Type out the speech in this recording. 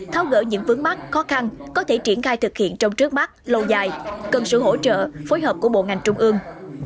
tháo gỡ những vướng mắt khó khăn có thể triển khai thực hiện trong trước mắt lâu dài cần sự hỗ trợ phối hợp của bộ ngành trung ương